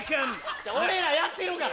俺らやってるから。